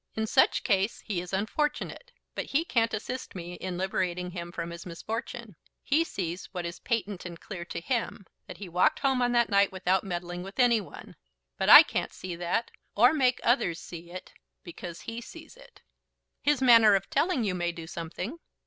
In such case he is unfortunate, but he can't assist me in liberating him from his misfortune. He sees what is patent and clear to him, that he walked home on that night without meddling with any one. But I can't see that, or make others see it, because he sees it." "His manner of telling you may do something."